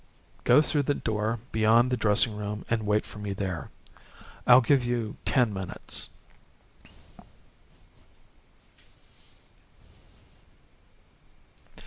Go through the door beyond the dressing room and wait for me there. I'll give you ten minutes."